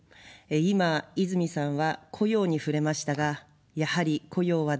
今、泉さんは雇用に触れましたが、やはり雇用は大事ですね。